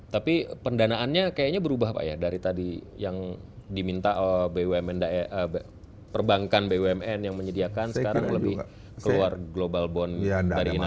tapi pendanaannya kayaknya berubah pak ya dari tadi yang diminta oleh bumn perbankan bumn yang menyediakan sekarang lebih keluar global bond dari indonesia